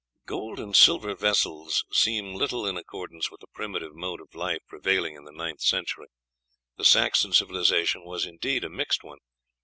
Gold and silver vessels seem little in accordance with the primitive mode of life prevailing in the ninth century. The Saxon civilization was indeed a mixed one.